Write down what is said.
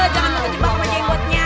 jangan terjebak sama jenggotnya